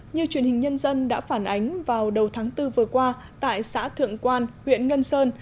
như truyền hình nhân dân đã phản ánh vào đầu tháng bốn vừa qua tại xã thượng quan huyện ngân sơn